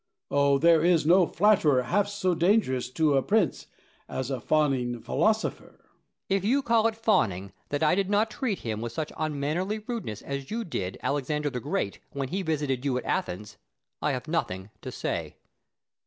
Oh, there is no flatterer half so dangerous to a prince as a fawning philosopher! Plato. If you call it fawning that I did not treat him with such unmannerly rudeness as you did Alexander the Great when he visited you at Athens, I have nothing to say.